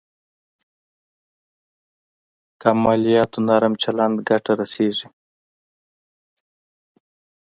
کم مالياتو نرم چلند ګټه رسېږي.